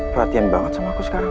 perhatian banget sama aku sekali